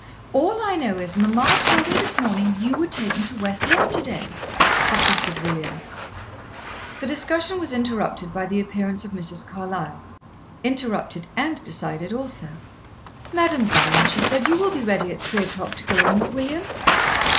"All I know is, mamma told me this morning you would take me to West Lynne to day," persisted William. The discussion was interrupted by the appearance of Mrs. Carlyle interrupted and decided also. "Madame Vine," she said, "you will be ready at three o'clock to go in with William?"